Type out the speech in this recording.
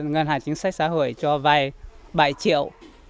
ngân hàng chính sách xã hội cho vay bảy triệu